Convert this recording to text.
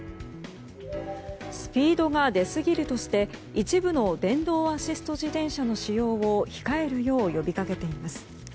スピードが出すぎるとして一部の電動アシスト自転車の使用を控えるよう呼びかけています。